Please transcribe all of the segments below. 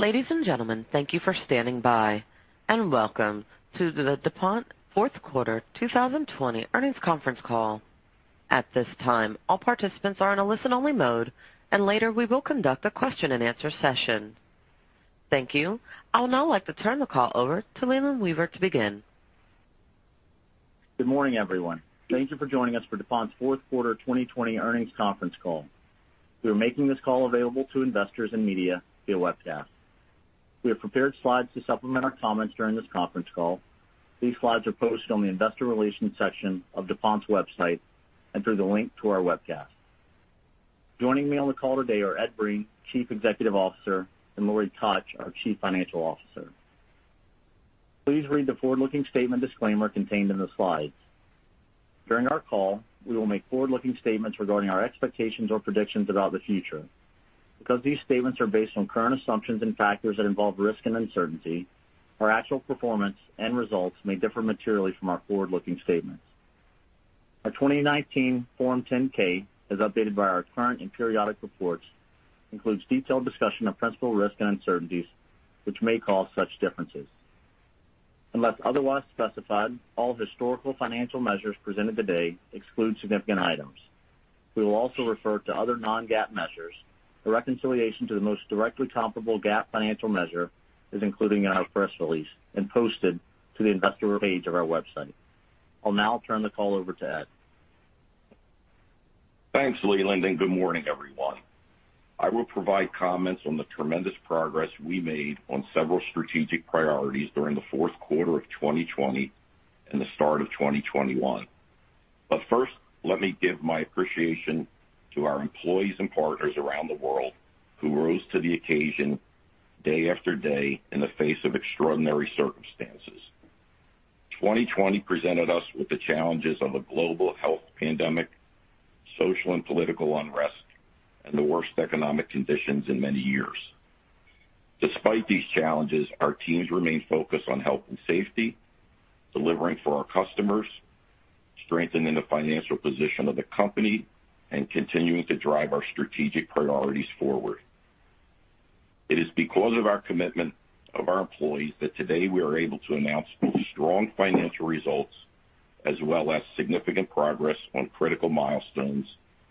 Ladies and gentlemen, thank you for standing by, and welcome to the DuPont Fourth Quarter 2020 Earnings Conference Call. At this time, all participants are in a listen-only mode, and later we will conduct a question-and-answer session. Thank you. I would now like to turn the call over to Leland Weaver to begin. Good morning, everyone. Thank you for joining us for DuPont's Fourth Quarter 2020 Earnings Conference Call. We are making this call available to investors and media via webcast. We have prepared slides to supplement our comments during this conference call. These slides are posted on the investor relations section of DuPont's website and through the link to our webcast. Joining me on the call today are Ed Breen, Chief Executive Officer, and Lori Koch, our Chief Financial Officer. Please read the forward-looking statement disclaimer contained in the slides. During our call, we will make forward-looking statements regarding our expectations or predictions about the future. Because these statements are based on current assumptions and factors that involve risk and uncertainty, our actual performance and results may differ materially from our forward-looking statements. Our 2019 Form 10-K, as updated by our current and periodic reports, includes detailed discussion of principal risks and uncertainties, which may cause such differences. Unless otherwise specified, all historical financial measures presented today exclude significant items. We will also refer to other non-GAAP measures. A reconciliation to the most directly comparable GAAP financial measure is included in our press release and posted to the investor page of our website. I'll now turn the call over to Ed. Thanks, Leland, and good morning, everyone. I will provide comments on the tremendous progress we made on several strategic priorities during the fourth quarter of 2020 and the start of 2021. First, let me give my appreciation to our employees and partners around the world who rose to the occasion day after day in the face of extraordinary circumstances. 2020 presented us with the challenges of a global health pandemic, social and political unrest, and the worst economic conditions in many years. Despite these challenges, our teams remained focused on health and safety, delivering for our customers, strengthening the financial position of the company, and continuing to drive our strategic priorities forward. It is because of our commitment of our employees that today we are able to announce both strong financial results as well as significant progress on critical milestones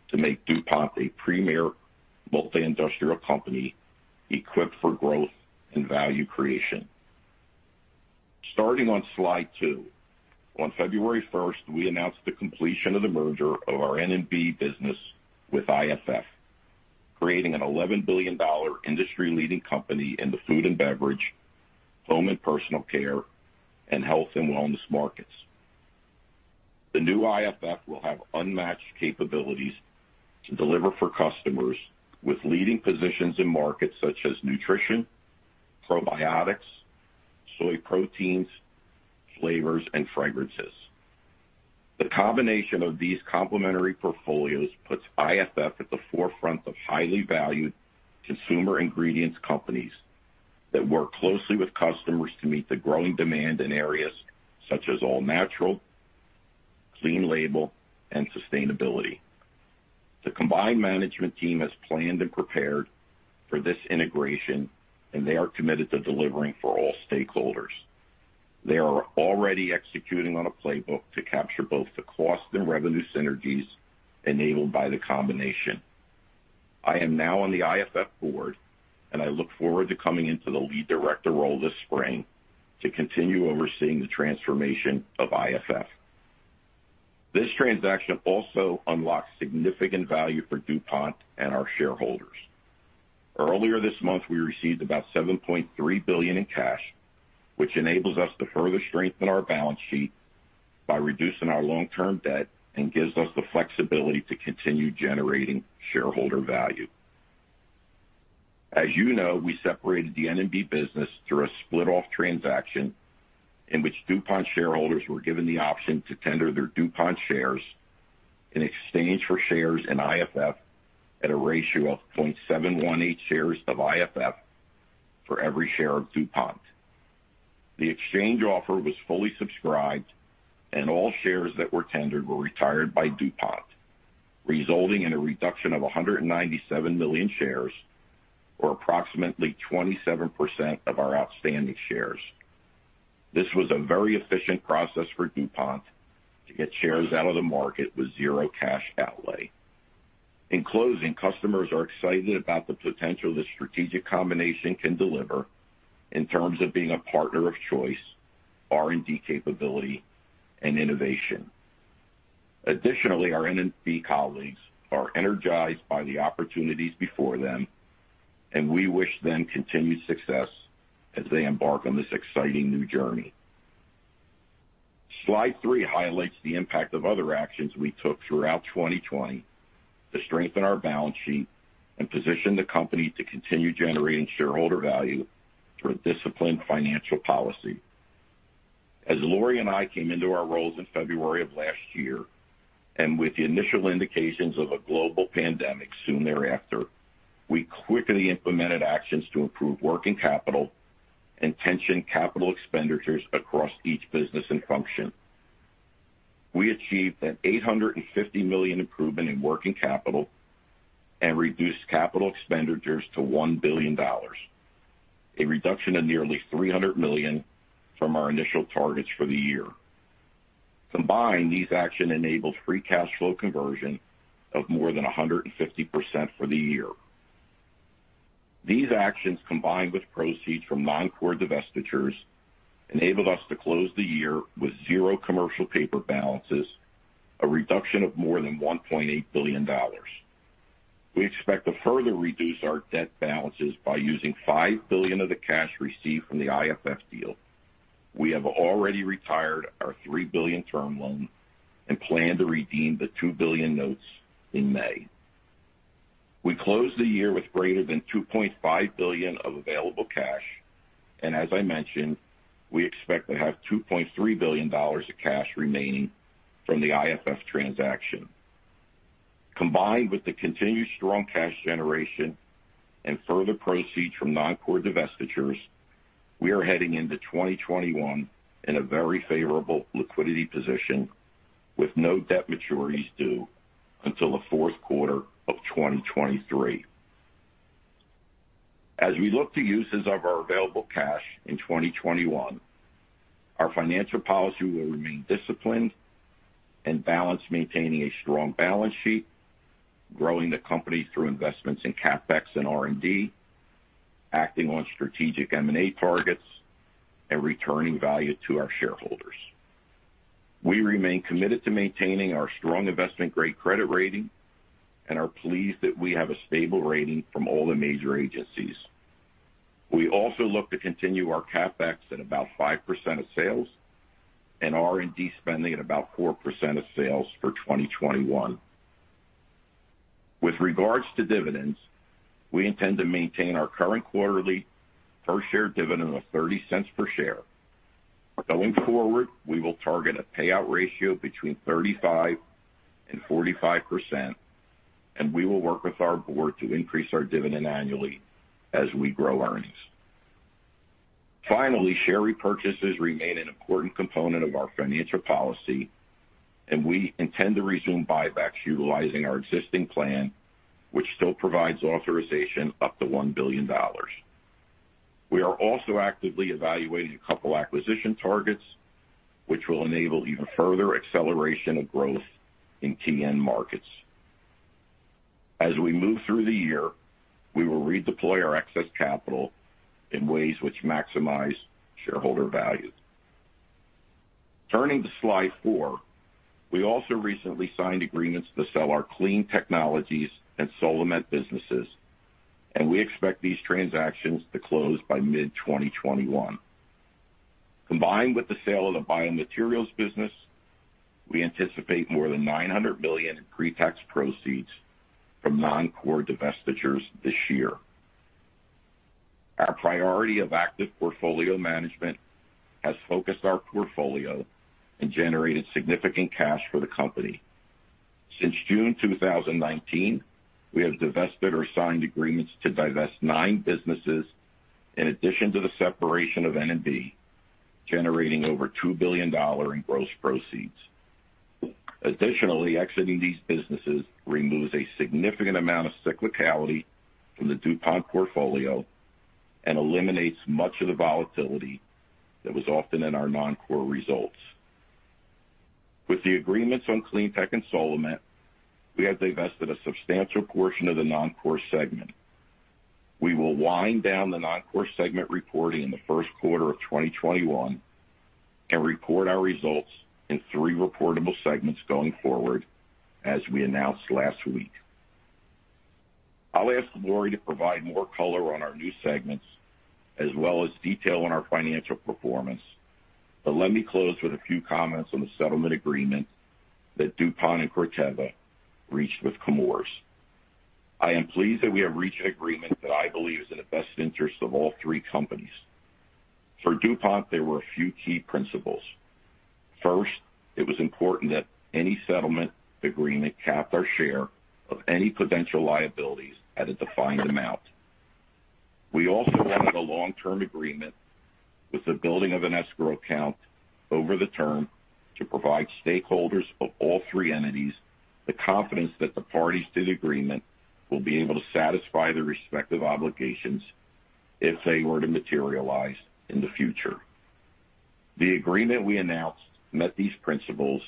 to make DuPont a premier multi-industrial company equipped for growth and value creation. Starting on slide two. On February 1st, we announced the completion of the merger of our N&B business with IFF, creating an $11 billion industry-leading company in the food and beverage, home and personal care, and health and wellness markets. The new IFF will have unmatched capabilities to deliver for customers with leading positions in markets such as nutrition, probiotics, soy proteins, flavors, and fragrances. The combination of these complementary portfolios puts IFF at the forefront of highly valued consumer ingredients companies that work closely with customers to meet the growing demand in areas such as all-natural, clean label, and sustainability. The combined management team has planned and prepared for this integration, and they are committed to delivering for all stakeholders. They are already executing on a playbook to capture both the cost and revenue synergies enabled by the combination. I am now on the IFF board, and I look forward to coming into the lead director role this spring to continue overseeing the transformation of IFF. This transaction also unlocks significant value for DuPont and our shareholders. Earlier this month, we received about $7.3 billion in cash, which enables us to further strengthen our balance sheet by reducing our long-term debt and gives us the flexibility to continue generating shareholder value. As you know, we separated the N&B business through a split-off transaction in which DuPont shareholders were given the option to tender their DuPont shares in exchange for shares in IFF at a ratio of 0.718 shares of IFF for every share of DuPont. The exchange offer was fully subscribed, and all shares that were tendered were retired by DuPont, resulting in a reduction of 197 million shares, or approximately 27% of our outstanding shares. This was a very efficient process for DuPont to get shares out of the market with zero cash outlay. In closing, customers are excited about the potential this strategic combination can deliver in terms of being a partner of choice, R&D capability, and innovation. Additionally, our N&B colleagues are energized by the opportunities before them, and we wish them continued success as they embark on this exciting new journey. Slide three highlights the impact of other actions we took throughout 2020 to strengthen our balance sheet and position the company to continue generating shareholder value through a disciplined financial policy. As Lori and I came into our roles in February of last year, and with the initial indications of a global pandemic soon thereafter, we quickly implemented actions to improve working capital and tension capital expenditures across each business and function. We achieved an $850 million improvement in working capital and reduced capital expenditures to $1 billion, a reduction of nearly $300 million from our initial targets for the year. Combined, these actions enabled free cash flow conversion of more than 150% for the year. These actions, combined with proceeds from non-core divestitures, enabled us to close the year with zero commercial paper balances, a reduction of more than $1.8 billion. We expect to further reduce our debt balances by using $5 billion of the cash received from the IFF deal. We have already retired our $3 billion term loan and plan to redeem the $2 billion notes in May. We closed the year with greater than $2.5 billion of available cash. As I mentioned, we expect to have $2.3 billion of cash remaining from the IFF transaction. Combined with the continued strong cash generation and further proceeds from non-core divestitures, we are heading into 2021 in a very favorable liquidity position with no debt maturities due until the fourth quarter of 2023. As we look to uses of our available cash in 2021, our financial policy will remain disciplined and balanced, maintaining a strong balance sheet, growing the company through investments in CapEx and R&D, acting on strategic M&A targets, and returning value to our shareholders. We remain committed to maintaining our strong investment-grade credit rating and are pleased that we have a stable rating from all the major agencies. We also look to continue our CapEx at about 5% of sales and R&D spending at about 4% of sales for 2021. With regards to dividends, we intend to maintain our current quarterly per share dividend of $0.30 per share. Going forward, we will target a payout ratio between 35% and 45%, and we will work with our board to increase our dividend annually as we grow earnings. Finally, share repurchases remain an important component of our financial policy, and we intend to resume buybacks utilizing our existing plan, which still provides authorization up to $1 billion. We are also actively evaluating a couple acquisition targets, which will enable even further acceleration of growth in key end markets. As we move through the year, we will redeploy our excess capital in ways which maximize shareholder value. Turning to slide four. We also recently signed agreements to sell our Clean Technologies and Solamet businesses, and we expect these transactions to close by mid-2021. Combined with the sale of the Biomaterials business, we anticipate more than $900 million in pre-tax proceeds from non-core divestitures this year. Our priority of active portfolio management has focused our portfolio and generated significant cash for the company. Since June 2019, we have divested or signed agreements to divest nine businesses in addition to the separation of N&B, generating over $2 billion in gross proceeds. Additionally, exiting these businesses removes a significant amount of cyclicality from the DuPont portfolio and eliminates much of the volatility that was often in our non-core results. With the agreements on Clean Tech and Solamet, we have divested a substantial portion of the non-core segment. We will wind down the non-core segment reporting in the first quarter of 2021 and report our results in three reportable segments going forward, as we announced last week. I'll ask Lori to provide more color on our new segments, as well as detail on our financial performance. Let me close with a few comments on the settlement agreement that DuPont and Corteva reached with Chemours. I am pleased that we have reached an agreement that I believe is in the best interest of all three companies. For DuPont, there were a few key principles. First, it was important that any settlement agreement cap our share of any potential liabilities at a defined amount. We also wanted a long-term agreement with the building of an escrow account over the term to provide stakeholders of all three entities the confidence that the parties to the agreement will be able to satisfy their respective obligations if they were to materialize in the future. The agreement we announced met these principles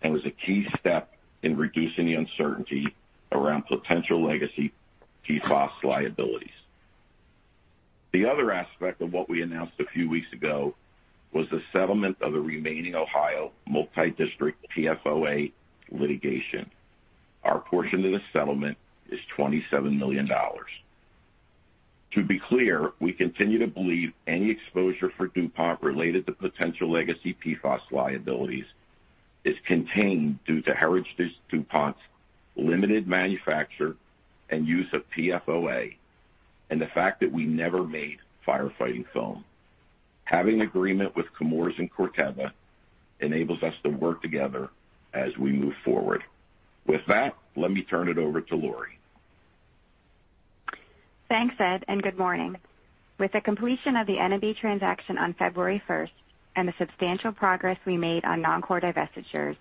and was a key step in reducing the uncertainty around potential legacy PFAS liabilities. The other aspect of what we announced a few weeks ago was the settlement of the remaining Ohio multi-district PFOA litigation. Our portion of the settlement is $27 million. To be clear, we continue to believe any exposure for DuPont related to potential legacy PFAS liabilities is contained due to heritage DuPont's limited manufacture and use of PFOA and the fact that we never made firefighting foam. Having agreement with Chemours and Corteva enables us to work together as we move forward. With that, let me turn it over to Lori. Thanks, Ed, good morning. With the completion of the N&B transaction on February 1st and the substantial progress we made on non-core divestitures,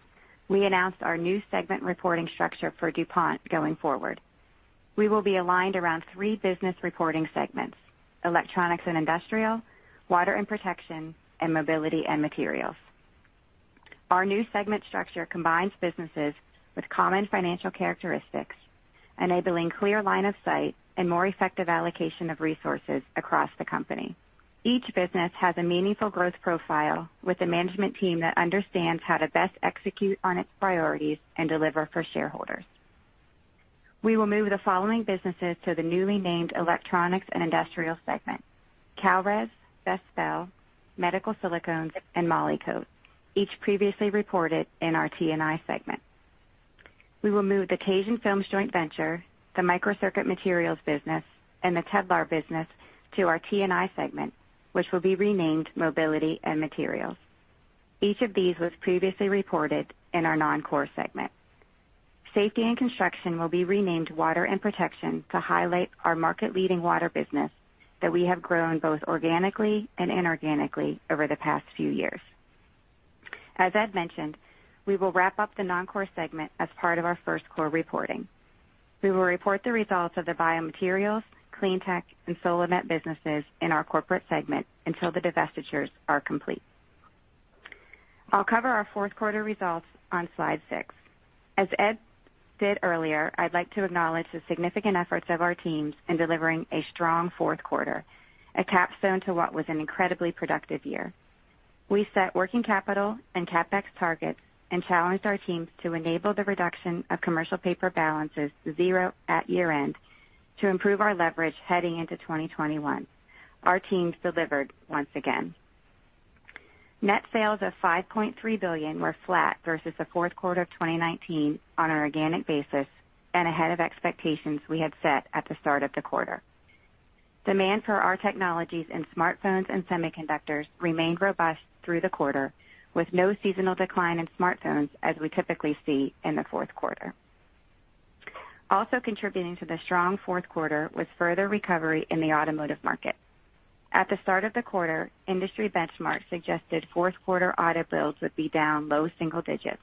we announced our new segment reporting structure for DuPont going forward. We will be aligned around three business reporting segments, Electronics & Industrial, Water & Protection, and Mobility & Materials. Our new segment structure combines businesses with common financial characteristics, enabling clear line of sight and more effective allocation of resources across the company. Each business has a meaningful growth profile with a management team that understands how to best execute on its priorities and deliver for shareholders. We will move the following businesses to the newly named Electronics & Industrial segment, Kalrez, Vespel, Medical Silicones, and MOLYKOTE, each previously reported in our T&I segment. We will move the Teijin Films joint venture, the Microcircuit Materials business, and the Tedlar business to our T&I segment, which will be renamed Mobility & Materials. Each of these was previously reported in our non-core segment. Safety & Construction will be renamed Water & Protection to highlight our market-leading water business that we have grown both organically and inorganically over the past few years. As Ed mentioned, we will wrap up the non-core segment as part of our first core reporting. We will report the results of the Biomaterials, Clean Tech, and Solamet businesses in our corporate segment until the divestitures are complete. I'll cover our fourth quarter results on slide six. As Ed did earlier, I'd like to acknowledge the significant efforts of our teams in delivering a strong fourth quarter, a capstone to what was an incredibly productive year. We set working capital and CapEx targets and challenged our teams to enable the reduction of commercial paper balances to zero at year-end to improve our leverage heading into 2021. Our teams delivered once again. Net sales of $5.3 billion were flat versus the fourth quarter of 2019 on an organic basis and ahead of expectations we had set at the start of the quarter. Demand for our technologies in smartphones and semiconductors remained robust through the quarter, with no seasonal decline in smartphones as we typically see in the fourth quarter. Also contributing to the strong fourth quarter was further recovery in the automotive market. At the start of the quarter, industry benchmarks suggested fourth quarter auto builds would be down low single digits.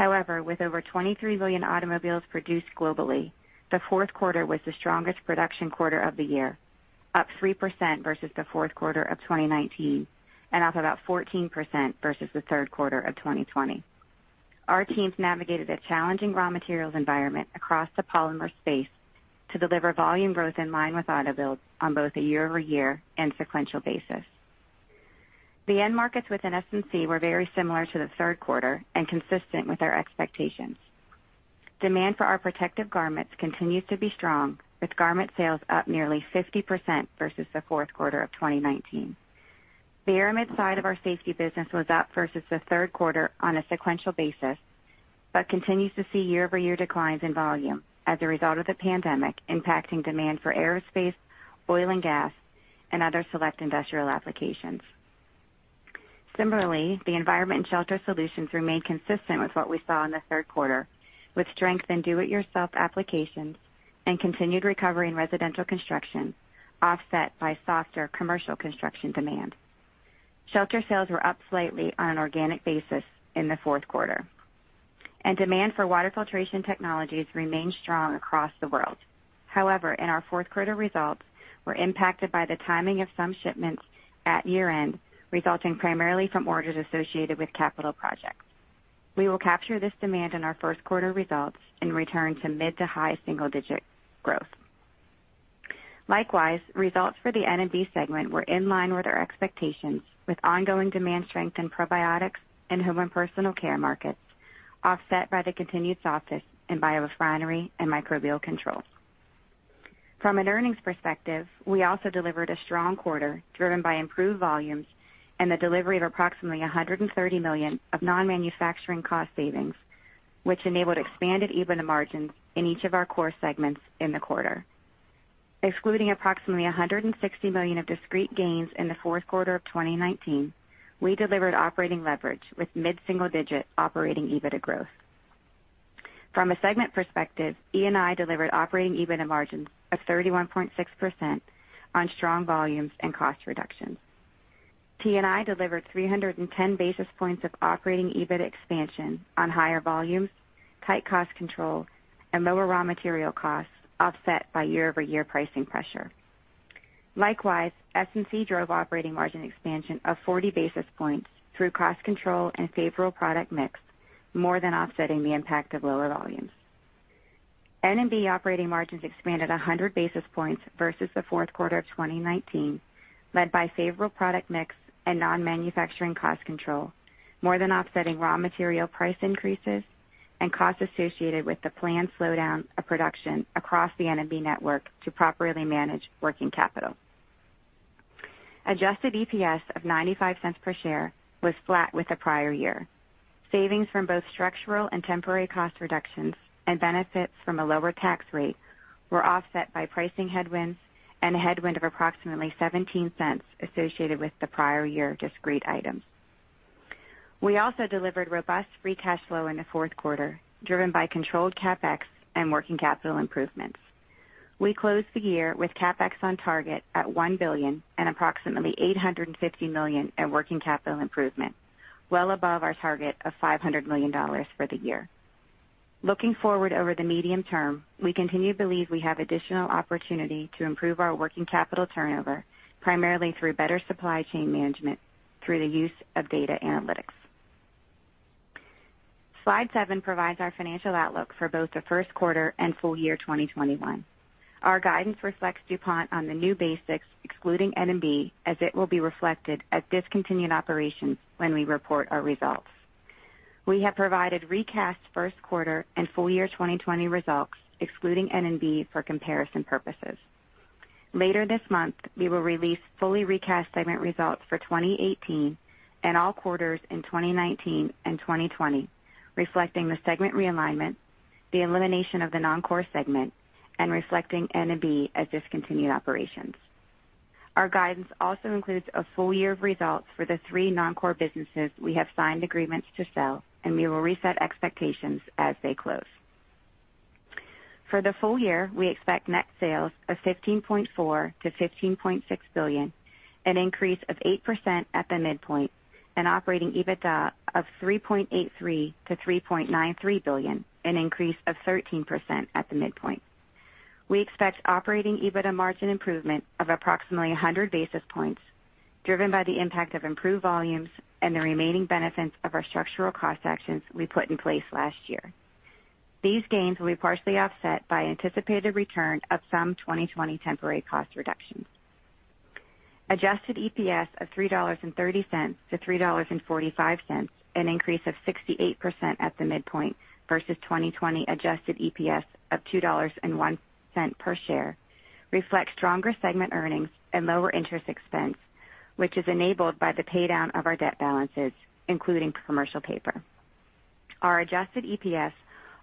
With over 23 million automobiles produced globally, the fourth quarter was the strongest production quarter of the year, up 3% versus the fourth quarter of 2019 and up about 14% versus the third quarter of 2020. Our teams navigated a challenging raw materials environment across the polymer space to deliver volume growth in line with auto builds on both a year-over-year and sequential basis. The end markets within S&C were very similar to the third quarter and consistent with our expectations. Demand for our protective garments continues to be strong, with garment sales up nearly 50% versus the fourth quarter of 2019. The aramid side of our safety business was up versus the third quarter on a sequential basis, but continues to see year-over-year declines in volume as a result of the pandemic impacting demand for aerospace, oil and gas, and other select industrial applications. Similarly, the environment shelter solutions remain consistent with what we saw in the third quarter, with strength in do-it-yourself applications and continued recovery in residential construction offset by softer commercial construction demand. Shelter sales were up slightly on an organic basis in the fourth quarter. Demand for water filtration technologies remained strong across the world. However, our fourth quarter results were impacted by the timing of some shipments at year-end, resulting primarily from orders associated with capital projects. We will capture this demand in our first quarter results and return to mid- to high-single-digit growth. Likewise, results for the N&B segment were in line with our expectations, with ongoing demand strength in probiotics and home and personal care markets, offset by the continued softness in biorefinery and microbial controls. From an earnings perspective, we also delivered a strong quarter driven by improved volumes and the delivery of approximately $130 million of non-manufacturing cost savings, which enabled expanded EBITDA margins in each of our core segments in the quarter. Excluding approximately $160 million of discrete gains in the fourth quarter of 2019, we delivered operating leverage with mid-single-digit operating EBITDA growth. From a segment perspective, E&I delivered operating EBITDA margins of 31.6% on strong volumes and cost reductions. T&I delivered 310 basis points of operating EBIT expansion on higher volumes, tight cost control, and lower raw material costs offset by year-over-year pricing pressure. Likewise, S&C drove operating margin expansion of 40 basis points through cost control and favorable product mix, more than offsetting the impact of lower volumes. N&B operating margins expanded 100 basis points versus the fourth quarter of 2019, led by favorable product mix and non-manufacturing cost control, more than offsetting raw material price increases and costs associated with the planned slowdown of production across the N&B network to properly manage working capital. Adjusted EPS of $0.95 per share was flat with the prior year. Savings from both structural and temporary cost reductions and benefits from a lower tax rate were offset by pricing headwinds and a headwind of approximately $0.17 associated with the prior year discrete items. We also delivered robust free cash flow in the fourth quarter, driven by controlled CapEx and working capital improvements. We closed the year with CapEx on target at $1 billion and approximately $850 million in working capital improvement, well above our target of $500 million for the year. Looking forward over the medium term, we continue to believe we have additional opportunity to improve our working capital turnover, primarily through better supply chain management through the use of data analytics. Slide seven provides our financial outlook for both the first quarter and full year 2021. Our guidance reflects DuPont on the new basis, excluding N&B, as it will be reflected as discontinued operations when we report our results. We have provided recast first quarter and full year 2020 results, excluding N&B, for comparison purposes. Later this month, we will release fully recast segment results for 2018 and all quarters in 2019 and 2020, reflecting the segment realignment, the elimination of the non-core segment, and reflecting N&B as discontinued operations. Our guidance also includes a full year of results for the three non-core businesses we have signed agreements to sell, and we will reset expectations as they close. For the full year, we expect net sales of $15.4 billion-$15.6 billion, an increase of 8% at the midpoint, and operating EBITDA of $3.83 billion-$3.93 billion, an increase of 13% at the midpoint. We expect operating EBITDA margin improvement of approximately 100 basis points, driven by the impact of improved volumes and the remaining benefits of our structural cost actions we put in place last year. These gains will be partially offset by anticipated return of some 2020 temporary cost reductions. Adjusted EPS of $3.30-$3.45, an increase of 68% at the midpoint versus 2020 adjusted EPS of $2.01 per share, reflects stronger segment earnings and lower interest expense, which is enabled by the paydown of our debt balances, including commercial paper. Our adjusted EPS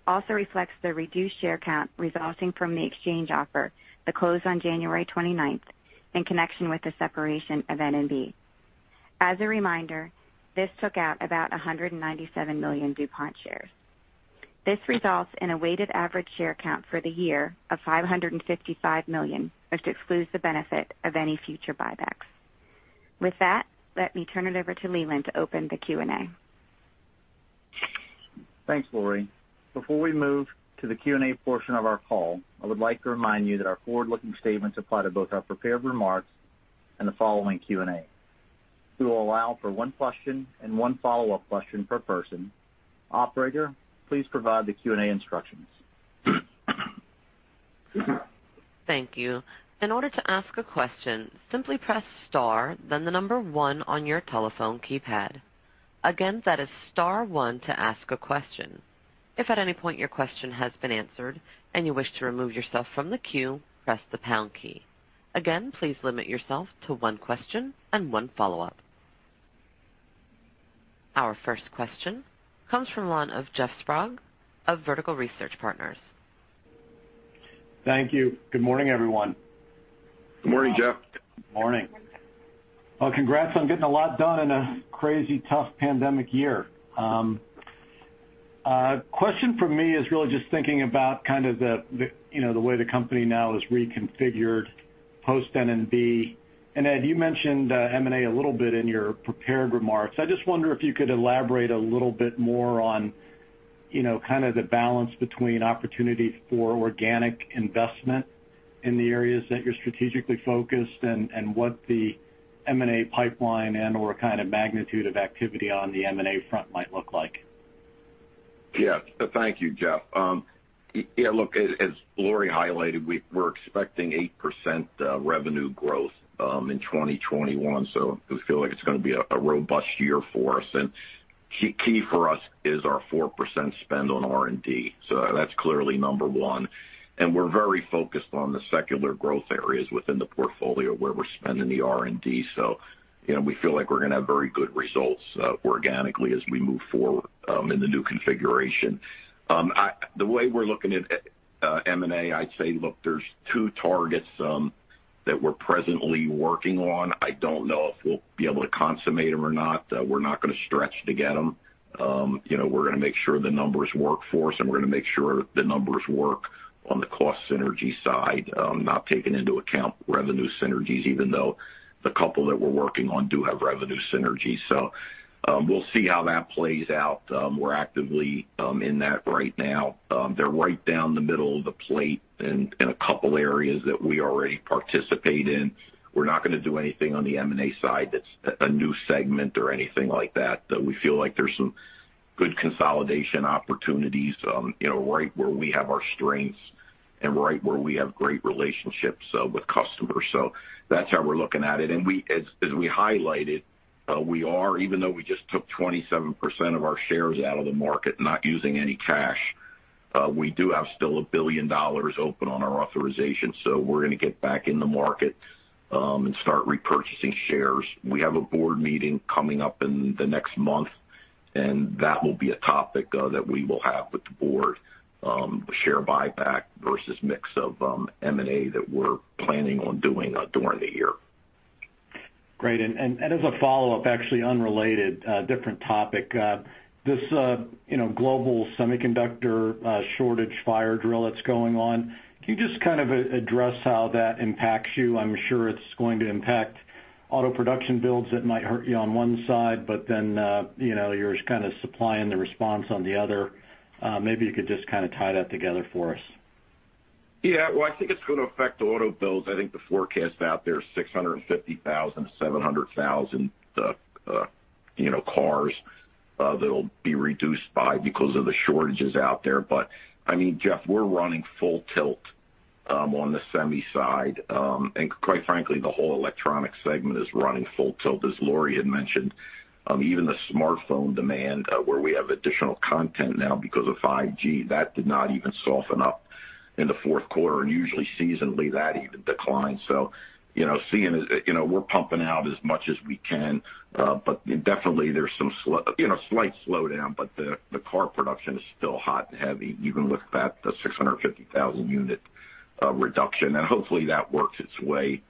also reflects the reduced share count resulting from the exchange offer that closed on January 29th in connection with the separation of N&B. As a reminder, this took out about 197 million DuPont shares. This results in a weighted average share count for the year of 555 million, which excludes the benefit of any future buybacks. With that, let me turn it over to Leland to open the Q&A. Thanks, Lori. Before we move to the Q&A portion of our call, I would like to remind you that our forward-looking statements apply to both our prepared remarks and the following Q&A. We will allow for one question and one follow-up question per person. Operator, please provide the Q&A instructions. Thank you. In order to ask a question, simply press star, then the number one on your telephone keypad. Again, that is star one to ask a question. If at any point your question has been answered and you wish to remove yourself from the queue, press the pound key. Again, please limit yourself to one question and one follow-up. Our first question comes from the line of Jeff Sprague of Vertical Research Partners. Thank you. Good morning, everyone. Good morning, Jeff. Morning. Well, congrats on getting a lot done in a crazy, tough pandemic year. Question from me is really just thinking about the way the company now is reconfigured post N&B, and Ed, you mentioned M&A a little bit in your prepared remarks. I just wonder if you could elaborate a little bit more on the balance between opportunity for organic investment in the areas that you're strategically focused and what the M&A pipeline and/or kind of magnitude of activity on the M&A front might look like. Yeah. Thank you, Jeff. Yeah, look, as Lori highlighted, we're expecting 8% revenue growth in 2021, so we feel like it's going to be a robust year for us. Key for us is our 4% spend on R&D. That's clearly number one. We're very focused on the secular growth areas within the portfolio where we're spending the R&D. We feel like we're going to have very good results organically as we move forward in the new configuration. The way we're looking at M&A, I'd say, look, there's two targets that we're presently working on. I don't know if we'll be able to consummate them or not. We're not going to stretch to get them. We're going to make sure the numbers work for us, and we're going to make sure the numbers work on the cost synergy side, not taking into account revenue synergies, even though the couple that we're working on do have revenue synergies. We'll see how that plays out. We're actively in that right now. They're right down the middle of the plate in a couple areas that we already participate in. We're not going to do anything on the M&A side that's a new segment or anything like that. We feel like there's some good consolidation opportunities right where we have our strengths and right where we have great relationships with customers. That's how we're looking at it. As we highlighted, even though we just took 27% of our shares out of the market, not using any cash, we do have still $1 billion open on our authorization. We're going to get back in the market and start repurchasing shares. We have a board meeting coming up in the next month, and that will be a topic that we will have with the board, share buyback versus mix of M&A that we're planning on doing during the year. Great. As a follow-up, actually unrelated, a different topic. This global semiconductor shortage fire drill that's going on, can you just kind of address how that impacts you? I'm sure it's going to impact auto production builds that might hurt you on one side, you're just kind of supplying the response on the other. Maybe you could just kind of tie that together for us. Yeah. Well, I think it's going to affect auto builds. I think the forecast out there is 650,000, 700,000 cars that'll be reduced by because of the shortages out there. I mean, Jeff, we're running full tilt on the semi side. Quite frankly, the whole electronic segment is running full tilt, as Lori had mentioned. Even the smartphone demand, where we have additional content now because of 5G. That did not even soften up in the fourth quarter, and usually seasonally, that even declines. We're pumping out as much as we can. Definitely there's some slight slowdown, but the car production is still hot and heavy, even with the 650,000 unit reduction. Hopefully that works its way,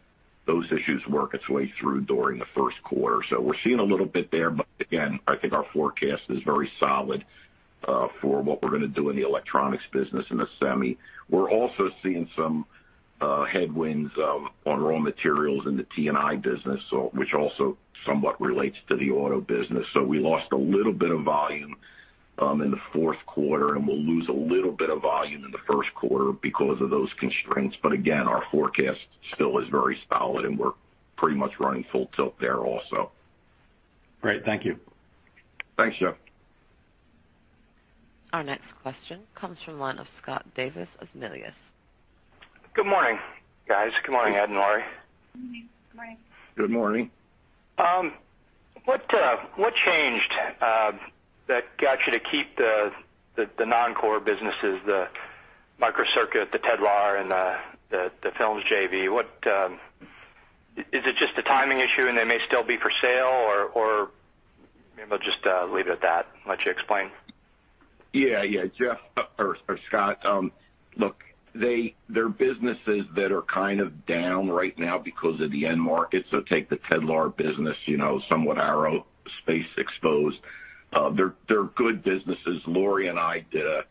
those issues work its way through during the first quarter. We're seeing a little bit there, but again, I think our forecast is very solid for what we're going to do in the electronics business and the semi. We're also seeing some headwinds on raw materials in the T&I business, which also somewhat relates to the auto business. We lost a little bit of volume in the fourth quarter, and we'll lose a little bit of volume in the first quarter because of those constraints. Again, our forecast still is very solid, and we're pretty much running full tilt there also. Great. Thank you. Thanks, Jeff. Our next question comes from the line of Scott Davis of Melius. Good morning, guys. Good morning, Ed and Lori. Morning. Good morning. What changed that got you to keep the non-core businesses, the Microcircuit, the Tedlar, and the Films JV? Is it just a timing issue and they may still be for sale? Maybe I'll just leave it at that and let you explain. Yeah. Scott, look, they're businesses that are kind of down right now because of the end market. Take the Tedlar business, somewhat aerospace exposed. They're good businesses. Lori and I did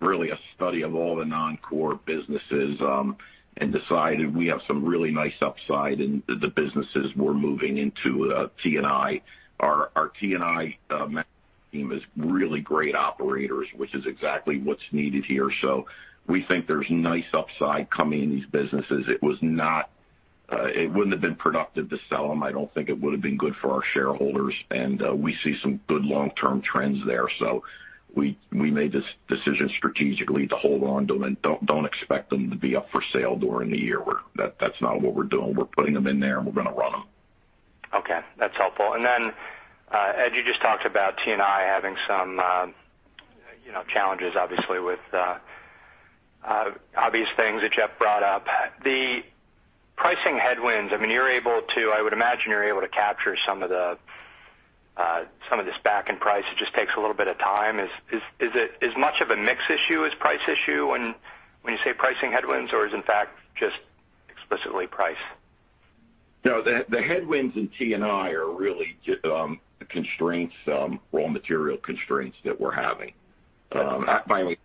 really a study of all the non-core businesses and decided we have some really nice upside in the businesses we're moving into T&I. Our T&I team is really great operators, which is exactly what's needed here. We think there's nice upside coming in these businesses. It wouldn't have been productive to sell them. I don't think it would've been good for our shareholders. We see some good long-term trends there. We made this decision strategically to hold onto them and don't expect them to be up for sale during the year. That's not what we're doing. We're putting them in there, and we're going to run them. Okay, that's helpful. Ed, you just talked about T&I having some challenges, obviously, with obvious things that Jeff brought up. The pricing headwinds, I would imagine you're able to capture some of this back in price. It just takes a little bit of time. Is it as much of a mix issue as price issue when you say pricing headwinds, or is it in fact just explicitly price? No, the headwinds in T&I are really just constraints, raw material constraints that we're having. By the way,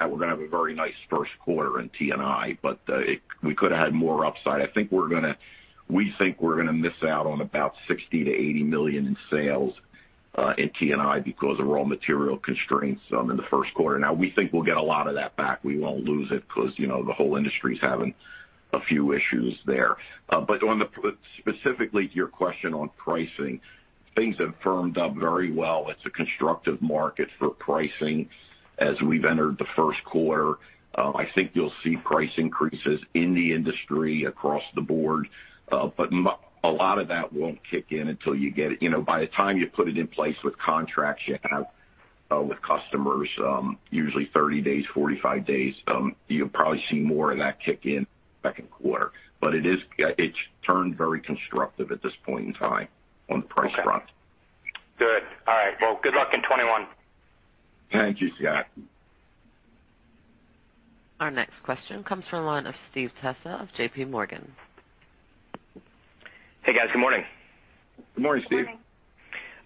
we're going to have a very nice first quarter in T&I, but we could have had more upside. We think we're going to miss out on about $60 million-$80 million in sales in T&I because of raw material constraints in the first quarter. Now, we think we'll get a lot of that back. We won't lose it because the whole industry's having a few issues there. Specifically to your question on pricing, things have firmed up very well. It's a constructive market for pricing as we've entered the first quarter. I think you'll see price increases in the industry across the board. A lot of that won't kick in until you get it. By the time you put it in place with contracts you have with customers, usually 30 days, 45 days. You'll probably see more of that kick in second quarter. It's turned very constructive at this point in time on the price front. Good. All right. Well, good luck in 2021. Thank you, Scott. Our next question comes from the line of Steve Tusa of JPMorgan. Hey, guys. Good morning. Good morning, Steve. Good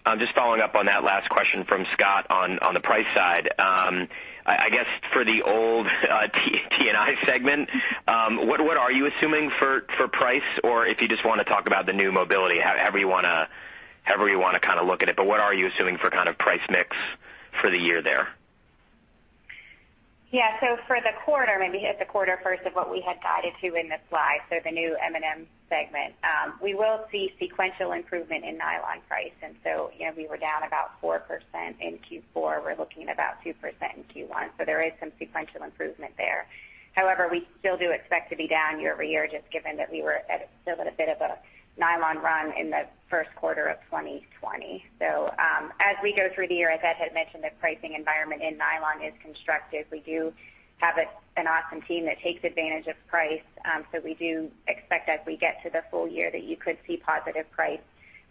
morning. Just following up on that last question from Scott on the price side. I guess for the old T&I segment, what are you assuming for price? Or if you just want to talk about the new Mobility & Materials, however you want to kind of look at it. What are you assuming for kind of price mix for the year there? Yeah. For the quarter, maybe hit the quarter first of what we had guided to in the slide, so the new M&M segment. We will see sequential improvement in nylon price. We were down about 4% in Q4. We're looking at about 2% in Q1. There is some sequential improvement there. However, we still do expect to be down year-over-year, just given that we were at still at a bit of a nylon run in the first quarter of 2020. As we go through the year, as Ed had mentioned, the pricing environment in nylon is constructive. We do have an awesome team that takes advantage of price. We do expect as we get to the full year that you could see positive price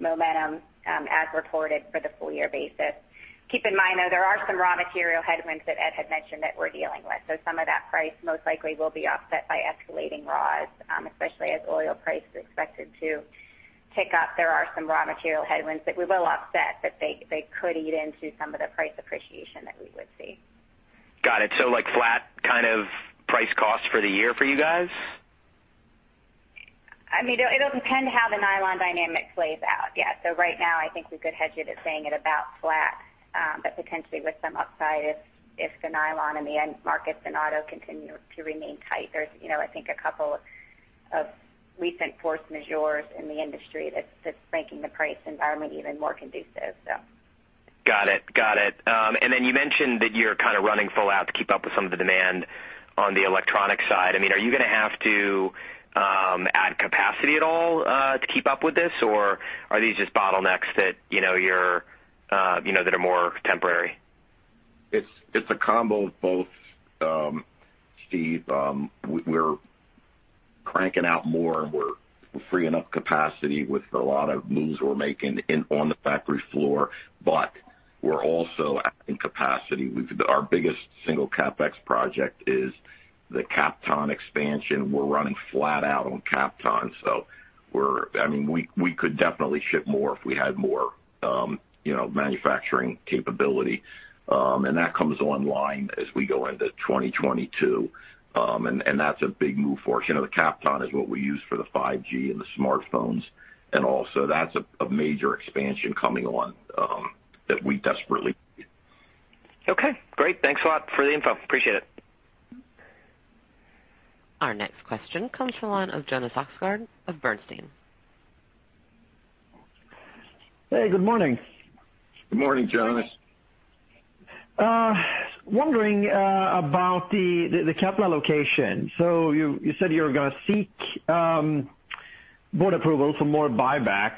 momentum as reported for the full year basis. Keep in mind, though, there are some raw material headwinds that Ed had mentioned that we're dealing with. Some of that price most likely will be offset by escalating raws, especially as oil price is expected to tick up. There are some raw material headwinds that we will offset, but they could eat into some of the price appreciation that we would see. Got it. Like flat kind of price cost for the year for you guys? It'll depend how the nylon dynamic plays out. Yeah. Right now, I think we could hedge it at saying it about flat, but potentially with some upside if the nylon in the end markets and auto continue to remain tight. There's, I think, a couple of recent force majeure in the industry that's making the price environment even more conducive. Got it. You mentioned that you're kind of running full out to keep up with some of the demand on the electronic side. Are you going to have to add capacity at all to keep up with this, or are these just bottlenecks that are more temporary? It's a combo of both, Steve. We're cranking out more and we're freeing up capacity with a lot of moves we're making on the factory floor, but we're also adding capacity. Our biggest single CapEx project is the Kapton expansion. We're running flat out on Kapton. We could definitely ship more if we had more manufacturing capability. That comes online as we go into 2022. That's a big move for us. The Kapton is what we use for the 5G and the smartphones and all, that's a major expansion coming on that we desperately need. Okay, great. Thanks a lot for the info. Appreciate it. Our next question comes from the line of Jonas Oxgaard of Bernstein. Hey, good morning. Good morning, Jonas. Wondering about the capital allocation. You said you were going to seek board approval for more buybacks.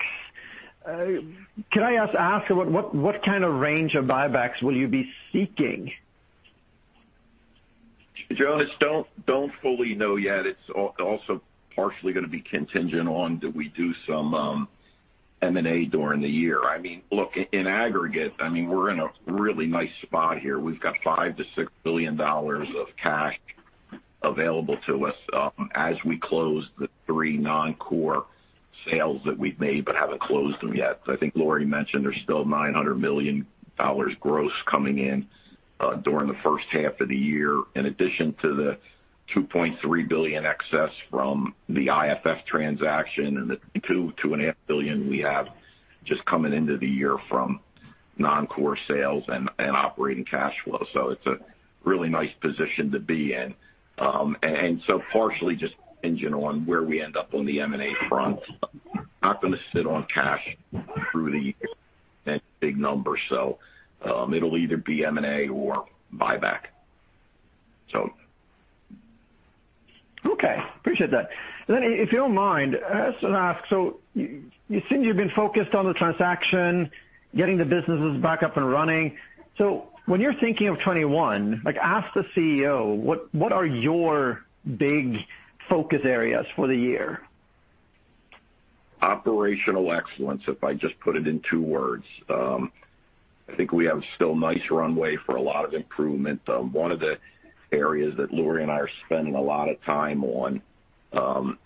Could I ask after, what kind of range of buybacks will you be seeking? Jonas, don't fully know yet. It's also partially going to be contingent on, do we do some M&A during the year? Look, in aggregate, we're in a really nice spot here. We've got $5 billion-$6 billion of cash available to us as we close the three non-core sales that we've made but haven't closed them yet. I think Lori mentioned there's still $900 million gross coming in during the first half of the year, in addition to the $2.3 billion excess from the IFF transaction and the $2.5 billion we have just coming into the year from non-core sales and operating cash flow. It's a really nice position to be in. Partially just contingent on where we end up on the M&A front. We're not going to sit on cash through the year. That's a big number, so it'll either be M&A or buyback. Okay. Appreciate that. If you don't mind, I'll also ask, so since you've been focused on the transaction, getting the businesses back up and running, so when you're thinking of 2021, like as the CEO, what are your big focus areas for the year? Operational excellence, if I just put it in two words. I think we have still nice runway for a lot of improvement. One of the areas that Lori and I are spending a lot of time on,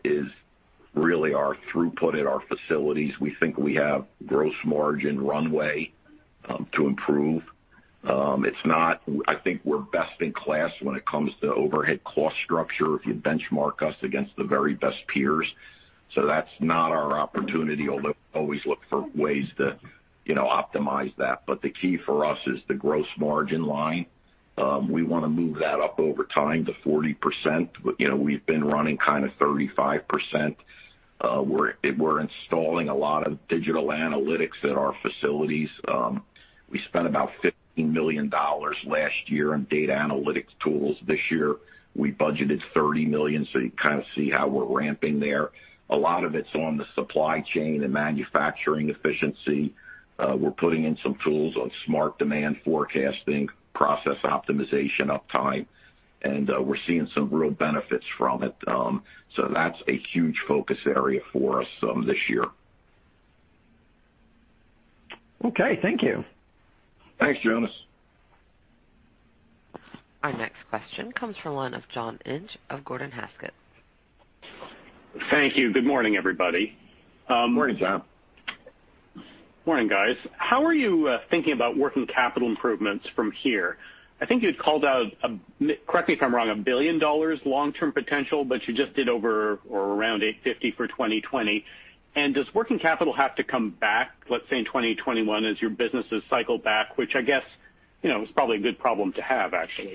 is really our throughput at our facilities. We think we have gross margin runway to improve. I think we're best in class when it comes to overhead cost structure if you benchmark us against the very best peers. That's not our opportunity, although we always look for ways to optimize that. The key for us is the gross margin line. We want to move that up over time to 40%. We've been running kind of 35%. We're installing a lot of digital analytics at our facilities. We spent about $15 million last year on data analytics tools. This year, we budgeted $30 million, so you kind of see how we're ramping there. A lot of it's on the supply chain and manufacturing efficiency. We're putting in some tools on smart demand forecasting, process optimization uptime, and we're seeing some real benefits from it. That's a huge focus area for us this year. Okay, thank you. Thanks, Jonas. Our next question comes from the line of John Inch of Gordon Haskett. Thank you. Good morning, everybody. Morning, John. Morning, guys. How are you thinking about working capital improvements from here? I think you'd called out, correct me if I'm wrong, a $1 billion long-term potential, but you just did over or around $850 for 2020. Does working capital have to come back, let's say, in 2021 as your businesses cycle back? Which I guess, is probably a good problem to have, actually.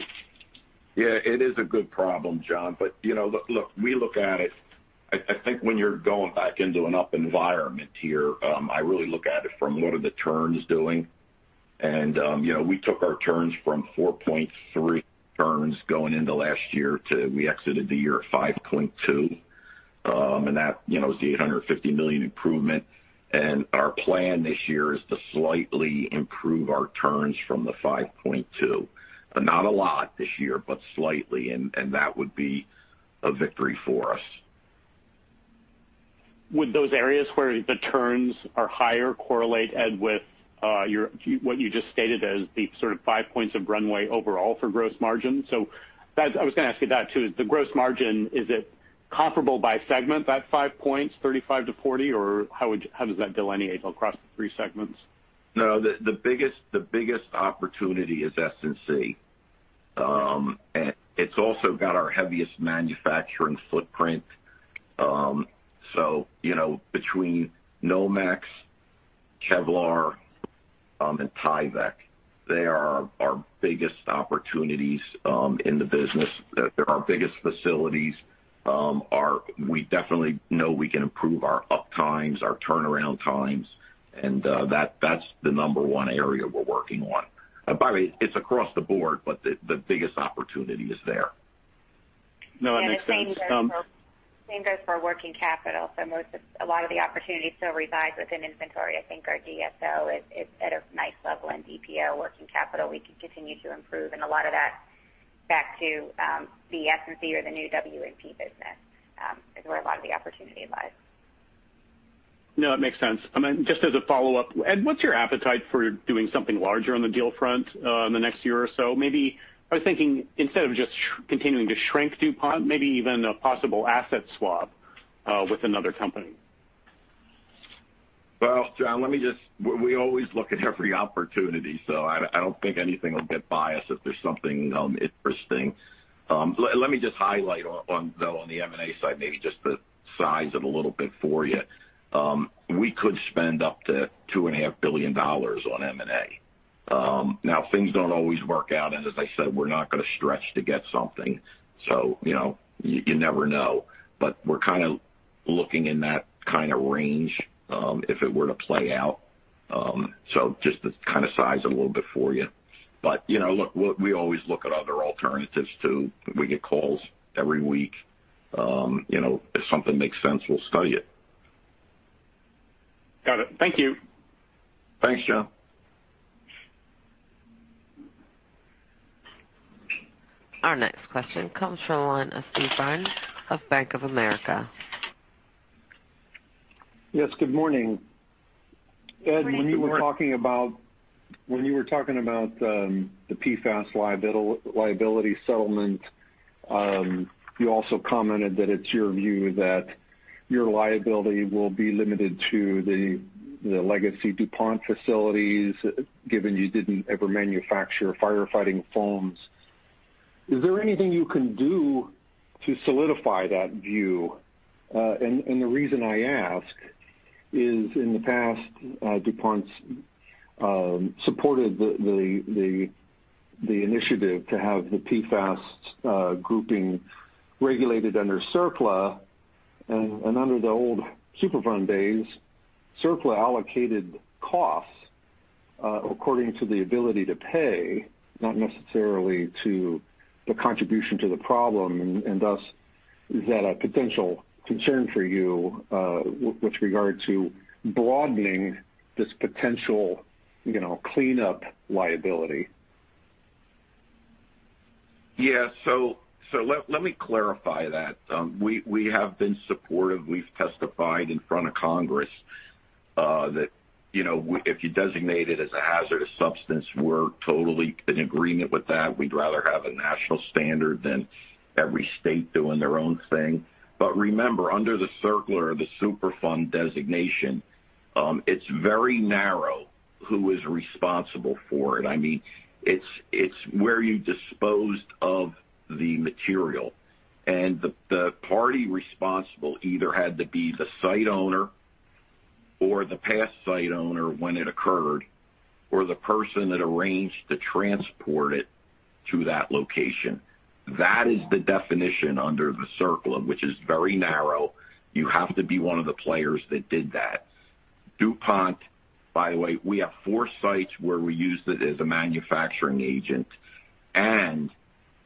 Yeah, it is a good problem, John. Look, we look at it I think when you're going back into an up environment here, I really look at it from what are the turns doing. We took our turns from 4.3 turns going into last year to, we exited the year at 5.2. That is the $850 million improvement. Our plan this year is to slightly improve our turns from the 5.2. Not a lot this year, but slightly, and that would be a victory for us. Would those areas where the turns are higher correlate, Ed, with what you just stated as the sort of five points of runway overall for gross margin? I was going to ask you that, too. The gross margin, is it comparable by segment, that five points, 35%-40%? Or how does that delineate across the three segments? No, the biggest opportunity is S&C. It's also got our heaviest manufacturing footprint. Between Nomex, Kevlar, and Tyvek, they are our biggest opportunities in the business. They're our biggest facilities. We definitely know we can improve our up times, our turnaround times, and that's the number one area we're working on. It's across the board, the biggest opportunity is there. No, that makes sense. The same goes for working capital. A lot of the opportunity is still resides within inventory. I think our DSO is at a nice level and DPO working capital, we can continue to improve. A lot of that back to the S&C or the new W&P business, is where a lot of the opportunity lies. No, it makes sense. Just as a follow-up, Ed, what's your appetite for doing something larger on the deal front in the next year or so? Maybe I was thinking, instead of just continuing to shrink DuPont, maybe even a possible asset swap with another company. John, we always look at every opportunity, so I don't think anything will get by us if there's something interesting. Let me just highlight on, though, on the M&A side, maybe just to size it a little bit for you. We could spend up to $2.5 billion on M&A. Things don't always work out, and as I said, we're not going to stretch to get something. You never know. We're kind of looking in that kind of range, if it were to play out. Just to kind of size it a little bit for you. Look, we always look at other alternatives, too. We get calls every week. If something makes sense, we'll study it. Got it. Thank you. Thanks, John. Our next question comes from the line of Steve Byrne of Bank of America. Yes, good morning. Good morning. Ed, when you were talking about the PFAS liability settlement, you also commented that it's your view that your liability will be limited to the legacy DuPont facilities, given you didn't ever manufacture firefighting foams. Is there anything you can do to solidify that view? The reason I ask is, in the past, DuPont's supported the initiative to have the PFAS grouping regulated under CERCLA, and under the old Superfund days, CERCLA allocated costs according to the ability to pay, not necessarily to the contribution to the problem, and thus, is that a potential concern for you with regard to broadening this potential cleanup liability? Let me clarify that. We have been supportive. We've testified in front of Congress that if you designate it as a hazardous substance, we're totally in agreement with that. We'd rather have a national standard than every state doing their own thing. Remember, under the CERCLA or the Superfund designation, it's very narrow who is responsible for it. It's where you disposed of the material. The party responsible either had to be the site owner or the past site owner when it occurred, or the person that arranged to transport it to that location. That is the definition under the CERCLA, which is very narrow. You have to be one of the players that did that. DuPont, by the way, we have four sites where we used it as a manufacturing agent, and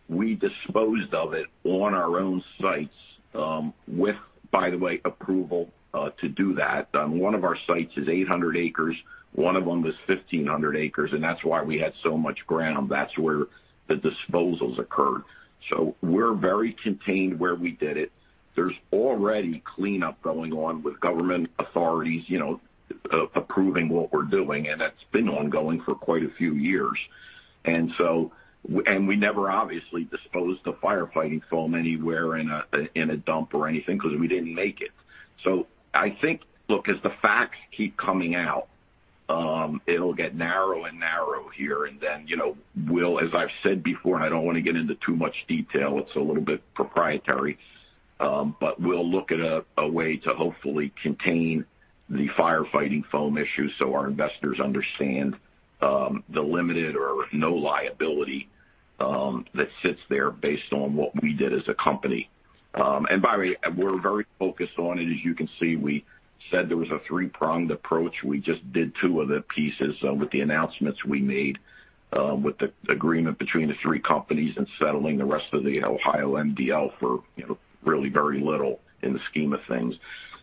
we disposed of it on our own sites with, by the way, approval to do that. One of our sites is 800 acres, one of them is 1,500 acres, and that's why we had so much ground. That's where the disposals occurred. We're very contained where we did it. There's already cleanup going on with government authorities approving what we're doing, and that's been ongoing for quite a few years. We never, obviously, disposed a firefighting foam anywhere in a dump or anything because we didn't make it. I think, look, as the facts keep coming out, it'll get narrow and narrow here and then. As I've said before, and I don't want to get into too much detail, it's a little bit proprietary, but we'll look at a way to hopefully contain the firefighting foam issue so our investors understand the limited or no liability that sits there based on what we did as a company. By the way, we're very focused on it. As you can see, we said there was a three-pronged approach. We just did two of the pieces with the announcements we made with the agreement between the three companies and settling the rest of the Ohio MDL for really very little in the scheme of things.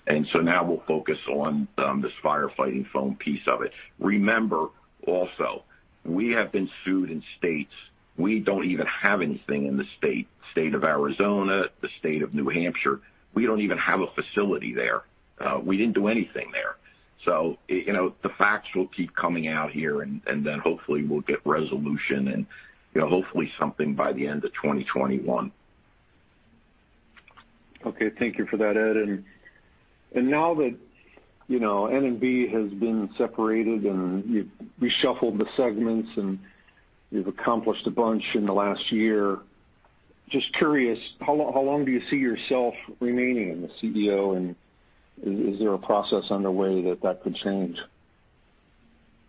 Now we'll focus on this firefighting foam piece of it. Remember also, we have been sued in states we don't even have anything in the state. State of Arizona, the State of New Hampshire. We don't even have a facility there. We didn't do anything there. The facts will keep coming out here, hopefully we'll get resolution and hopefully something by the end of 2021. Okay. Thank you for that, Ed. Now that N&B has been separated and you've reshuffled the segments and you've accomplished a bunch in the last year, just curious, how long do you see yourself remaining the CEO, and is there a process underway that that could change?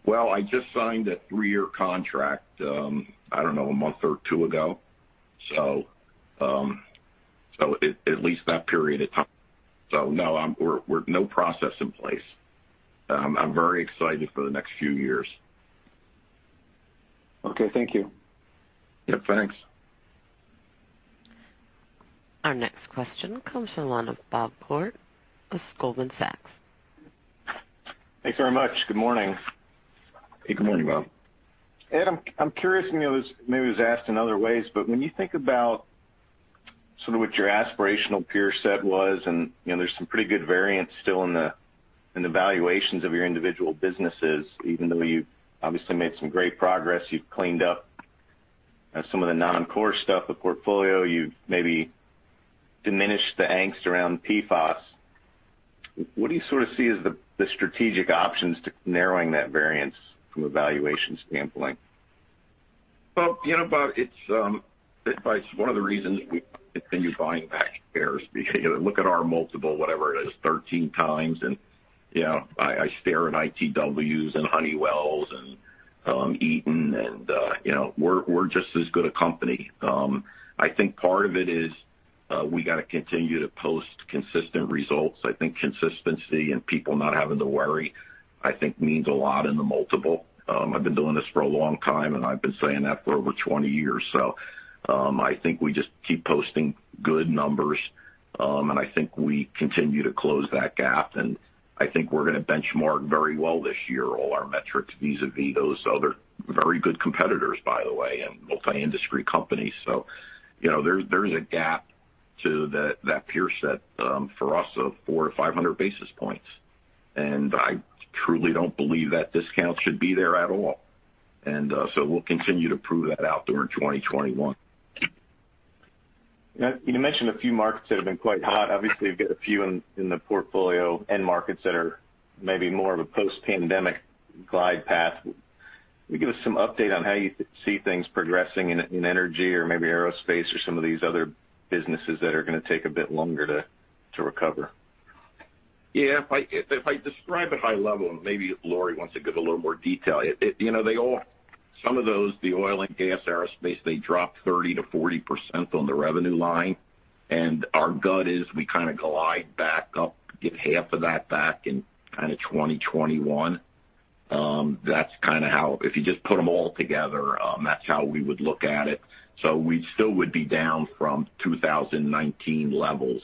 I just signed a three-year contract, I don't know, a month or two ago. At least that period of time. No, no process in place. I'm very excited for the next few years. Okay, thank you. Yeah, thanks. Our next question comes on the line of Bob Koort of Goldman Sachs. Thanks very much. Good morning. Hey, good morning, Bob. Ed, I'm curious, maybe this was asked in other ways, but when you think about sort of what your aspirational peer set was, and there's some pretty good variance still in the valuations of your individual businesses, even though you've obviously made some great progress. You've cleaned up some of the non-core stuff, the portfolio. You've maybe diminished the angst around PFAS. What do you sort of see as the strategic options to narrowing that variance from a valuation standpoint? Well, Bob, it's one of the reasons we continue buying back shares. Look at our multiple, whatever it is, 13x, and I stare at ITWs and Honeywells and Eaton and we're just as good a company. I think part of it is we got to continue to post consistent results. I think consistency and people not having to worry, I think, means a lot in the multiple. I've been doing this for a long time, and I've been saying that for over 20 years. I think we just keep posting good numbers, and I think we continue to close that gap, and I think we're going to benchmark very well this year, all our metrics, vis-a-vis those other very good competitors, by the way, and multi-industry companies. There's a gap to that peer set for us of 400-500 basis points. I truly don't believe that discount should be there at all. We'll continue to prove that out during 2021. You mentioned a few markets that have been quite hot. Obviously, you've got a few in the portfolio, end markets that are maybe more of a post-pandemic glide path. Can you give us some update on how you see things progressing in energy or maybe aerospace or some of these other businesses that are going to take a bit longer to recover? Yeah. If I describe at high level, and maybe Lori wants to give a little more detail. Some of those, the oil and gas, aerospace, they dropped 30%-40% on the revenue line, and our gut is we kind of glide back up, get half of that back in kind of 2021. If you just put them all together, that's how we would look at it. We still would be down from 2019 levels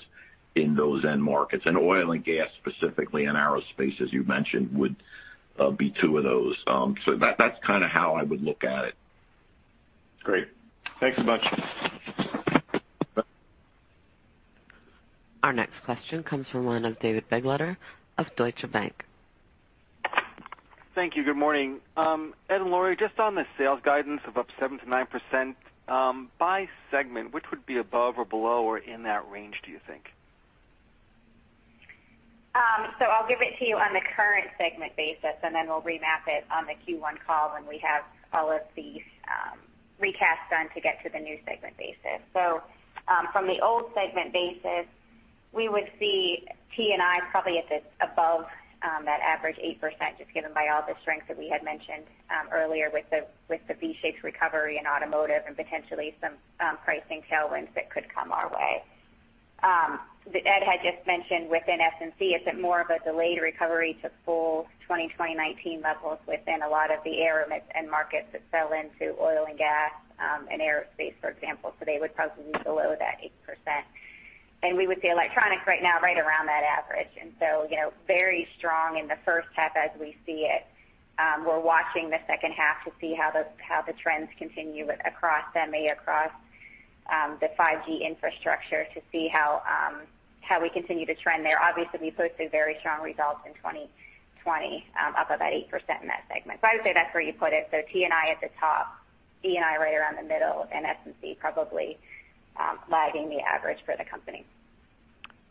in those end markets. Oil and gas specifically, and aerospace, as you mentioned, would be two of those. That's kind of how I would look at it. Great. Thanks a bunch. Our next question comes from the line of David Begleiter of Deutsche Bank. Thank you. Good morning. Ed and Lori, just on the sales guidance of up 7%-9%, by segment, which would be above or below or in that range, do you think? I'll give it to you on the current segment basis, and then we'll remap it on the Q1 call when we have all of the recasts done to get to the new segment basis. From the old segment basis, we would see T&I probably above that average 8%, just given by all the strength that we had mentioned earlier with the V-shaped recovery in automotive and potentially some pricing tailwinds that could come our way. Ed had just mentioned within S&C, it's at more of a delayed recovery to full 2019 levels within a lot of the end markets that fell into oil and gas and aerospace, for example. They would probably be below that 8%. We would see electronics right now right around that average. Very strong in the first half as we see it. We're watching the second half to see how the trends continue across MA, across the 5G infrastructure to see how we continue to trend there. Obviously, we posted very strong results in 2020 up about 8% in that segment. I would say that's where you put it. T&I at the top, E&I right around the middle, and S&C probably lagging the average for the company.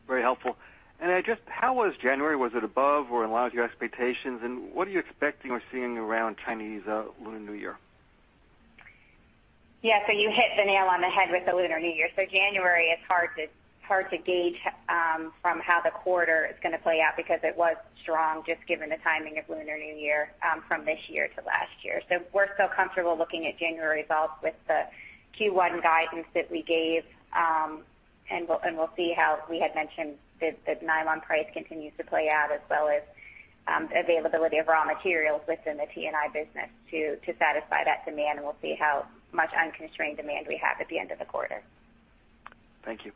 Very helpful. Ed, just how was January? Was it above or in line with your expectations, and what are you expecting or seeing around Chinese Lunar New Year? Yeah, you hit the nail on the head with the Lunar New Year. January is hard to gauge from how the quarter is going to play out because it was strong just given the timing of Lunar New Year from this year to last year. We're still comfortable looking at January results with the Q1 guidance that we gave, and we'll see how we had mentioned the nylon price continues to play out as well as availability of raw materials within the T&I business to satisfy that demand. We'll see how much unconstrained demand we have at the end of the quarter. Thank you.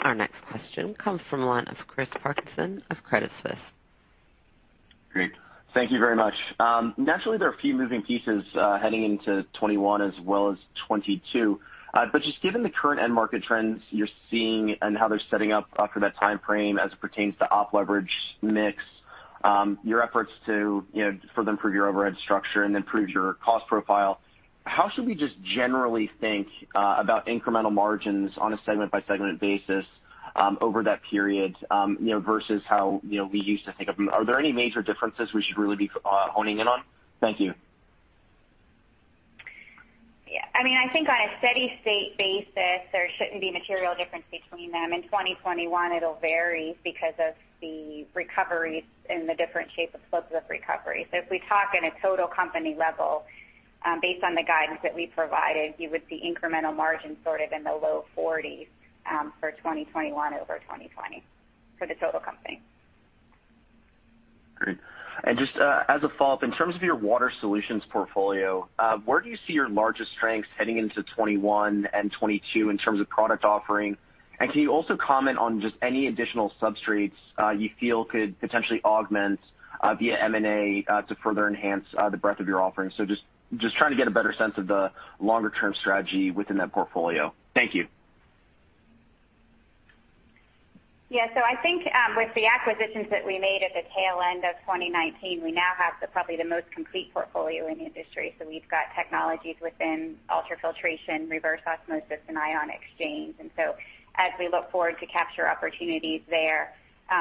Our next question comes from the line of Chris Parkinson of Credit Suisse. Great. Thank you very much. There are a few moving pieces heading into 2021 as well as 2022. Just given the current end market trends you're seeing and how they're setting up for that timeframe as it pertains to op leverage mix, your efforts to further improve your overhead structure and improve your cost profile, how should we just generally think about incremental margins on a segment-by-segment basis over that period versus how we used to think of them? Are there any major differences we should really be honing in on? Thank you. Yeah. I think on a steady-state basis, there shouldn't be material difference between them. In 2021, it'll vary because of the recoveries and the different shape of slopes of recovery. If we talk in a total company level, based on the guidance that we provided, you would see incremental margins sort of in the low 40s for 2021 over 2020 for the total company. Great. Just as a follow-up, in terms of your water solutions portfolio, where do you see your largest strengths heading into 2021 and 2022 in terms of product offering? Can you also comment on just any additional substrates you feel could potentially augment via M&A to further enhance the breadth of your offering? Just trying to get a better sense of the longer-term strategy within that portfolio. Thank you. Yeah. I think with the acquisitions that we made at the tail end of 2019, we now have probably the most complete portfolio in the industry. So we've got technologies within ultrafiltration, reverse osmosis and ion exchange. As we look forward to capture opportunities there,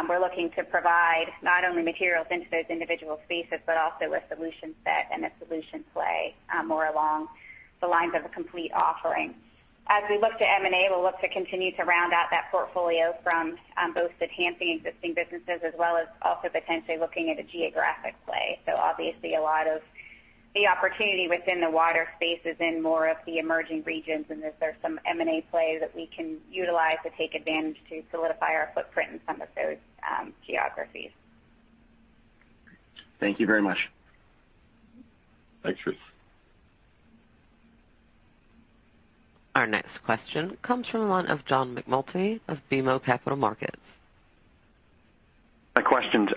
we're looking to provide not only materials into those individual spaces, but also a solution set and a solution play more along the lines of a complete offering. As we look to M&A, we'll look to continue to round out that portfolio from both enhancing existing businesses as well as also potentially looking at a geographic play. Obviously a lot of the opportunity within the water space is in more of the emerging regions, and if there's some M&A play that we can utilize to take advantage to solidify our footprint in some of those geographies. Thank you very much. Thanks, Chris. Our next question comes from the line of John McNulty of BMO Capital Markets. My questions,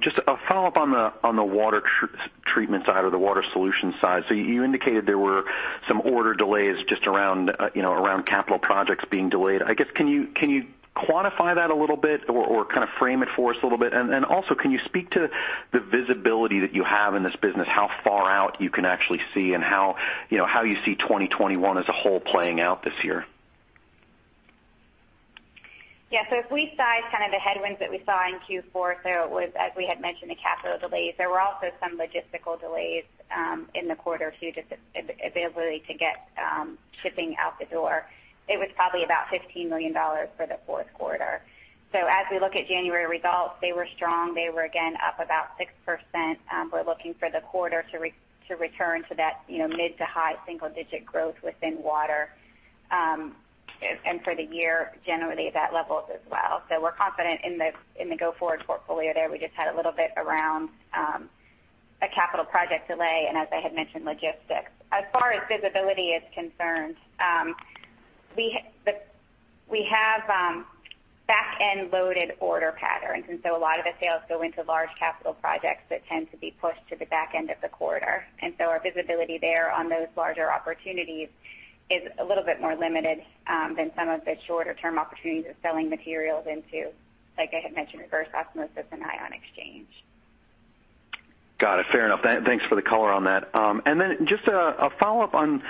just a follow-up on the water treatment side or the water solution side. You indicated there were some order delays just around capital projects being delayed. I guess, can you quantify that a little bit or kind of frame it for us a little bit? Also, can you speak to the visibility that you have in this business, how far out you can actually see and how you see 2021 as a whole playing out this year? Yeah. If we size kind of the headwinds that we saw in Q4, so it was, as we had mentioned, the capital delays. There were also some logistical delays in the quarter due to availability to get shipping out the door. It was probably about $15 million for the fourth quarter. As we look at January results, they were strong. They were again up about 6%. We're looking for the quarter to return to that mid- to high-single-digit growth within Water. For the year, generally at that level as well. We're confident in the go-forward portfolio there. We just had a little bit around a capital project delay, as I had mentioned, logistics. As far as visibility is concerned, we have back-end-loaded order patterns, and so a lot of the sales go into large capital projects that tend to be pushed to the back end of the quarter. Our visibility there on those larger opportunities is a little bit more limited than some of the shorter-term opportunities of selling materials into, like I had mentioned, reverse osmosis and ion exchange. Got it. Fair enough. Thanks for the color on that. Then just a follow-up on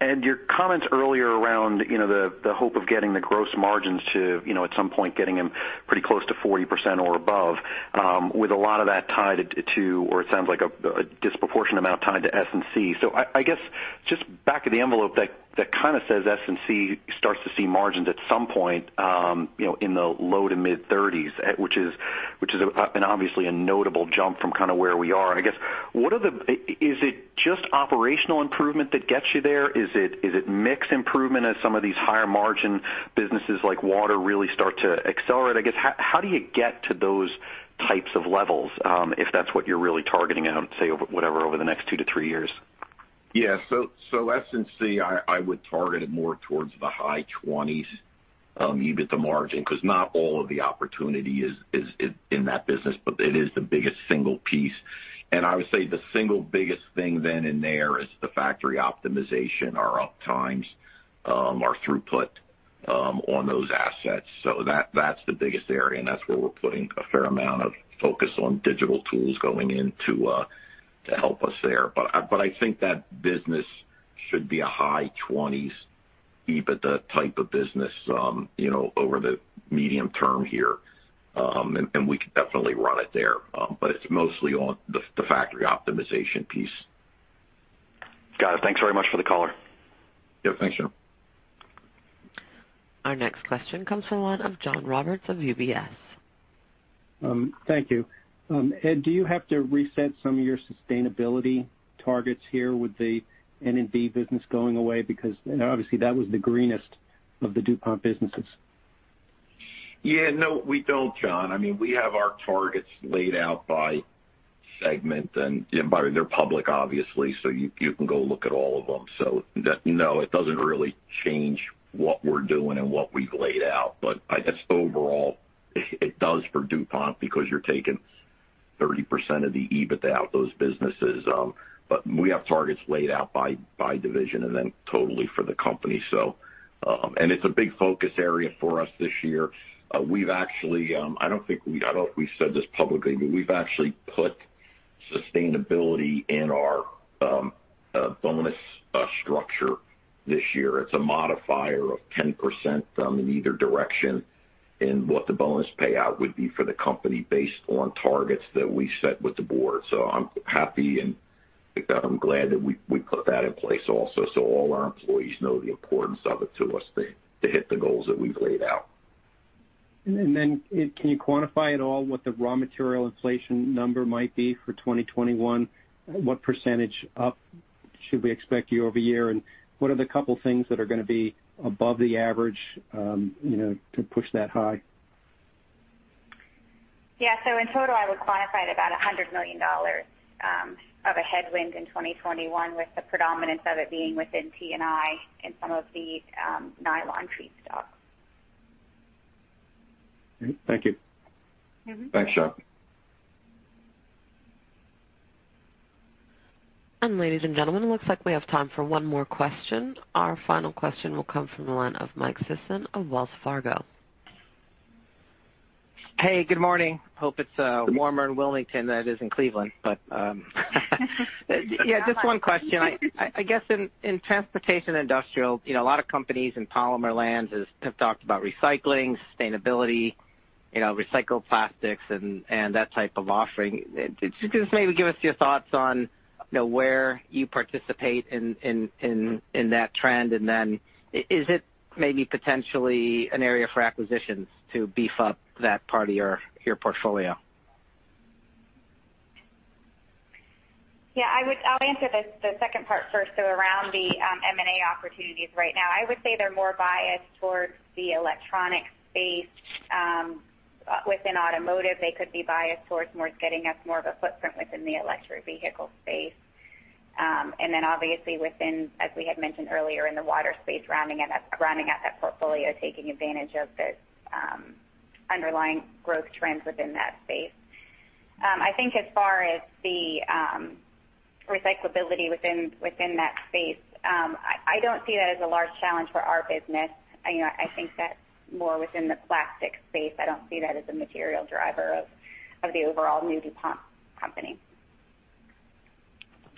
Ed, your comments earlier around the hope of getting the gross margins to at some point getting them pretty close to 40% or above, with a lot of that tied to, or it sounds like a disproportionate amount tied to S&C. I guess just back of the envelope, that kind of says S&C starts to see margins at some point in the low- to mid-30s, which is obviously a notable jump from kind of where we are. I guess, is it just operational improvement that gets you there? Is it mix improvement as some of these higher margin businesses like Water really start to accelerate? I guess, how do you get to those types of levels, if that's what you're really targeting at, say, over the next two to three years? Yeah. S&C, I would target it more towards the high 20s, EBITDA margin, because not all of the opportunity is in that business, but it is the biggest single piece. I would say the single biggest thing then in there is the factory optimization, our up times, our throughput on those assets. That's the biggest area, and that's where we're putting a fair amount of focus on digital tools going in to help us there. I think that business should be a high 20s EBITDA type of business over the medium term here, and we can definitely run it there. It's mostly on the factory optimization piece. Got it. Thanks very much for the color. Yeah, thanks, John. Our next question comes from the line of John Roberts of UBS. Thank you. Ed, do you have to reset some of your sustainability targets here with the N&B business going away? Obviously that was the greenest of the DuPont businesses. No, we don't, John. We have our targets laid out by segment. By the way, they're public, obviously. You can go look at all of them. No, it doesn't really change what we're doing and what we've laid out. I guess overall, it does for DuPont, because you're taking 30% of the EBITDA out of those businesses. We have targets laid out by division and then totally for the company. It's a big focus area for us this year. I don't know if we've said this publicly, we've actually put sustainability in our bonus structure this year. It's a modifier of 10% in either direction in what the bonus payout would be for the company based on targets that we set with the board. I'm happy and I'm glad that we put that in place also, so all our employees know the importance of it to us to hit the goals that we've laid out. Can you quantify at all what the raw material inflation number might be for 2021? What percentage up should we expect year-over-year, and what are the couple things that are going to be above the average to push that high? Yeah. In total, I would quantify it about $100 million of a headwind in 2021, with the predominance of it being within T&I and some of the nylon feedstocks. Thank you. Thanks, John. Ladies and gentlemen, looks like we have time for one more question. Our final question will come from the line of Mike Sison of Wells Fargo. Hey, good morning. Hope it's warmer in Wilmington than it is in Cleveland. Yeah, just one question. I guess in Transportation & Industrial, a lot of companies in polymer lands have talked about recycling, sustainability, recycled plastics, and that type of offering. Just maybe give us your thoughts on where you participate in that trend, and then is it maybe potentially an area for acquisitions to beef up that part of your portfolio? I'll answer the second part first. Around the M&A opportunities right now, I would say they're more biased towards the electronic space within automotive. They could be biased towards getting us more of a footprint within the electric vehicle space. Obviously within, as we had mentioned earlier, in the water space, rounding out that portfolio, taking advantage of the underlying growth trends within that space. I think as far as the recyclability within that space, I don't see that as a large challenge for our business. I think that's more within the plastic space. I don't see that as a material driver of the overall new DuPont company.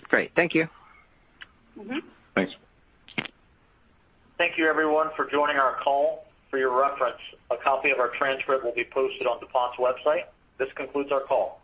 Great. Thank you. Thanks. Thank you everyone for joining our call. For your reference, a copy of our transcript will be posted on DuPont's website. This concludes our call.